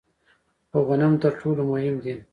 خو غنم تر ټولو مهم دي.